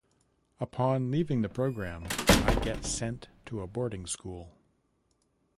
Upon leaving the program I get sent to a boarding school.